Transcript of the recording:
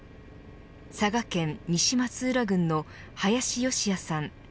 佐賀県西松浦郡の林善也さん